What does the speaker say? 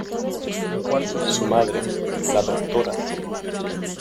Su madre, la Dra.